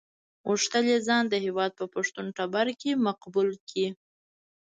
غوښتل یې ځان د هېواد په پښتون ټبر کې مقبول کړي.